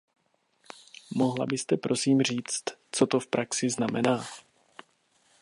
Mohla byste prosím říct, co to v praxi znamená?